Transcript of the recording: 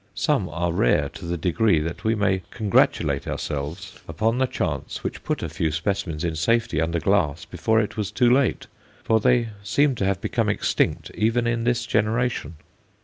Some are rare to the degree that we may congratulate ourselves upon the chance which put a few specimens in safety under glass before it was too late, for they seem to have become extinct even in this generation.